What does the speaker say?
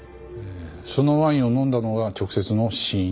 そのワインを飲んだのが直接の死因。